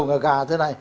ngồi gà thế này